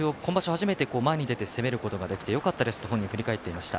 初めて、前に攻めることができてよかったと本人、話していました。